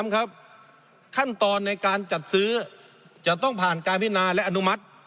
ครับขั้นตอนในการจัดซื้อจะต้องผ่านการพินาและอนุมัติ